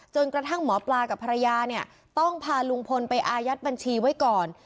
กระทั่งหมอปลากับภรรยาเนี่ยต้องพาลุงพลไปอายัดบัญชีไว้ก่อน